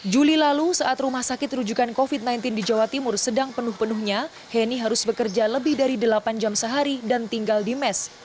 juli lalu saat rumah sakit rujukan covid sembilan belas di jawa timur sedang penuh penuhnya henny harus bekerja lebih dari delapan jam sehari dan tinggal di mes